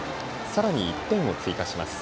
さらに１点を追加します。